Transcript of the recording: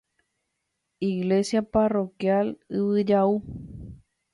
Iglesia Parroquial Yvyjaʼu.